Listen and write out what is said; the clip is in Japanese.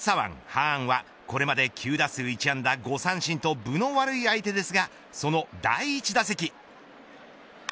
ハーンはこれまで９打数１安打５三振と分の悪い相手ですがその第１打席。